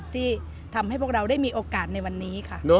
ที่ทำให้พวกเราได้มีโอกาสในวันนี้ค่ะ